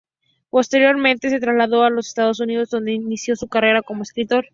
Posteriormente se trasladó a los Estados Unidos, donde inició su carrera como escritor.